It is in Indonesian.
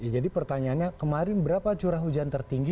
jadi pertanyaannya kemarin berapa curah hujan tertinggi